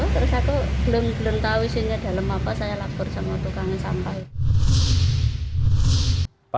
terus aku belum tahu isinya dalam apa saya lapor sama tukang sampah itu